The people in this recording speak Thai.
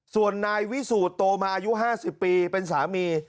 ส่วนนายวิสูจน์โตมาอายุ๕๐ปีเป็นสามี